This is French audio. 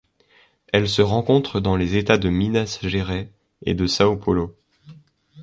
Elle se rencontre dans les États de Minas Gerais et de São Paulo.